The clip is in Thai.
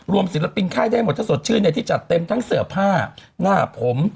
ศิลปินค่ายได้หมดถ้าสดชื่นที่จัดเต็มทั้งเสื้อผ้าหน้าผม